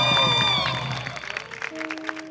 ว้าว